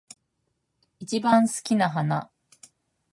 一番好きな花